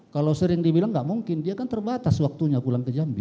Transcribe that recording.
kalau sering dibilang nggak mungkin dia kan terbatas waktunya pulang ke jambi